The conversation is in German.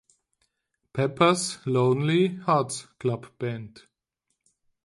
Pepper’s Lonely Hearts Club Band".